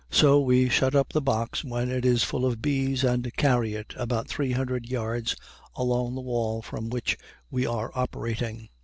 So we shut up the box when it is full of bees and carry it about three hundred yards along the wall from which we are operating.